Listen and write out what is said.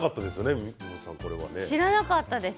知らなかったです。